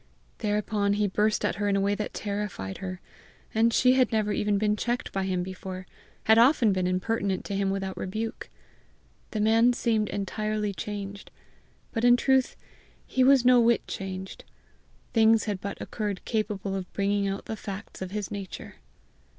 Thereupon he burst at her in a way that terrified her, and she had never even been checked by him before, had often been impertinent to him without rebuke. The man seemed entirely changed, but in truth he was no whit changed: things had but occurred capable of bringing out the facts of his nature.